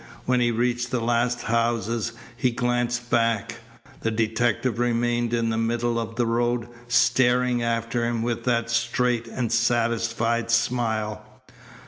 When he reached the last houses he glanced back. The detective remained in the middle of the road, staring after him with that straight and satisfied smile.